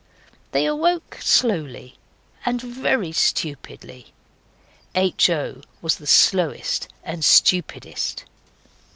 They awoke slowly and very stupidly. H. O. was the slowest and stupidest.